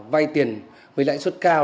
vay tiền với lãi suất cao